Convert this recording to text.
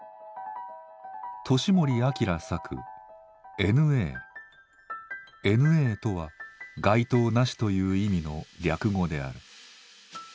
年森瑛作「Ｎ／Ａ」とは「該当なし」という意味の略語である。